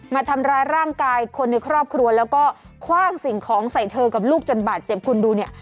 มาทำร้ายร่างกายคนในครอบครัวแล้วก็คว่างสิ่งของใส่เธอกับลูกจนบาดเจ็บคุณดูเนี่ย